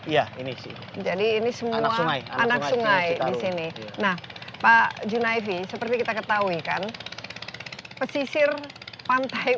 ya ini jadi ini semua anak sungai di sini nah pak junaifi seperti kita ketahui kan pesisir pantai